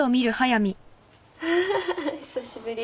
アハハ久しぶり。